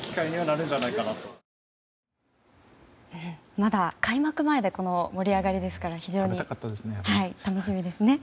まだ開幕前でこの盛り上がりですから非常に楽しみですね。